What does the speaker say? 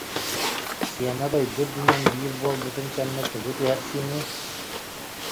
Сыана дойду үрдүнэн биир буолбутун кэннэ, тугу түһэрсиэҥий?